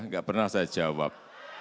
enggak pernah saya jawab